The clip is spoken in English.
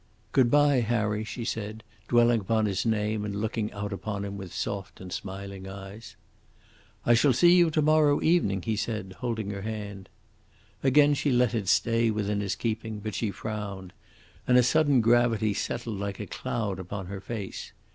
"Good bye, Harry," she said, dwelling upon his name and looking out upon him with soft and smiling eyes. "I shall see you to morrow evening," he said, holding her hand. Again she let it stay within his keeping, but she frowned, and a sudden gravity settled like a cloud upon her face.